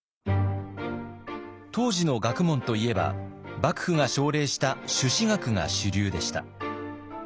当時の学問といえば幕府が奨励した朱子学が主流でした。